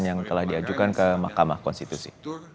yang telah diajukan ke mahkamah konstitusi